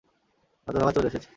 হতভাগা চলে এসেছে।